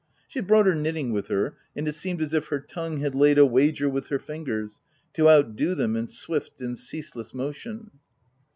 She had brought her knitting with her, and it seemed as if her tongue had laid a wager with her fingers, to outdo them in swift and ceaseless motion.